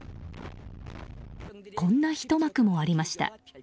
こんなひと幕もありました。